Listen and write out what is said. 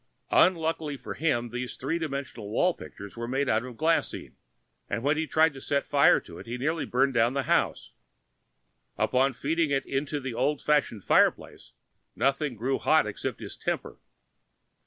Unluckily for him, these three dimensional wall pictures were made out of glaseine, and when he tried setting fire to it he nearly burned down the house. Upon feeding it to the old fashioned fireplace nothing grew hot except his temper.